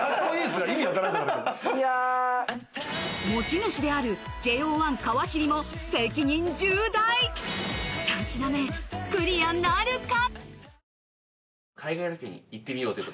持ち主であるＪＯ１・川尻蓮が３品目クリアなるか？